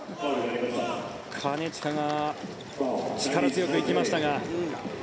金近が力強く行きましたが。